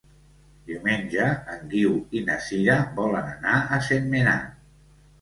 Diumenge en Guiu i na Sira volen anar a Sentmenat.